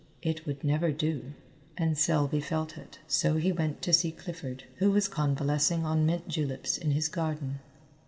It would never do, and Selby felt it, so he went to see Clifford, who was convalescing on mint juleps in his garden.